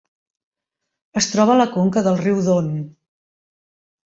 Es troba a la conca del riu Don.